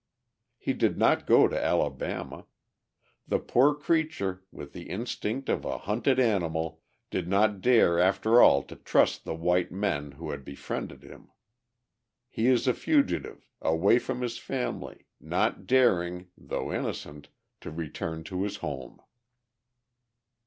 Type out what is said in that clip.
He did not go to Alabama. The poor creature, with the instinct of a hunted animal, did not dare after all to trust the white men who had befriended him. He is a fugitive, away from his family, not daring, though innocent, to return to his home.